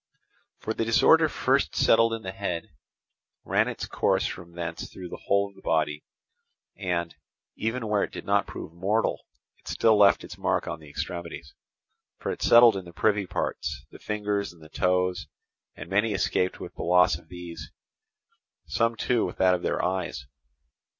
For the disorder first settled in the head, ran its course from thence through the whole of the body, and, even where it did not prove mortal, it still left its mark on the extremities; for it settled in the privy parts, the fingers and the toes, and many escaped with the loss of these, some too with that of their eyes.